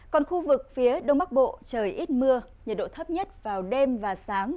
còn khu vực phía đông bắc bộ trời ít mưa nhiệt độ thấp nhất vào đêm và sáng